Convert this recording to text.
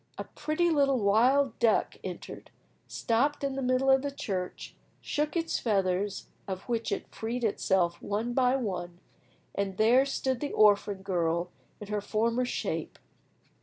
A pretty little wild duck entered, stopped in the middle of the church, shook its feathers, of which it freed itself one by one, and there stood the orphan girl in her former shape.